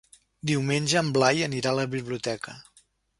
Diumenge en Blai anirà a la biblioteca.